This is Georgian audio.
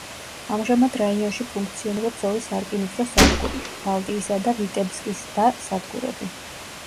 ამჟამად რაიონში ფუნქციონირებს ორი სარკინიგზო სადგური: ბალტიისა და ვიტებსკის და სადგურები.